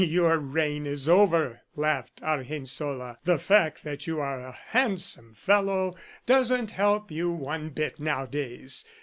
"Your reign is over," laughed Argensola. "The fact that you are a handsome fellow doesn't help you one bit nowadays.